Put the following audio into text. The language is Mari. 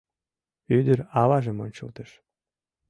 Ӱдыр аважым ончылтыш.